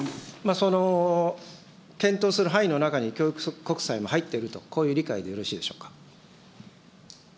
その検討する範囲の中に、教育国債も入っているという、こういう理解でよろしいでしょうか。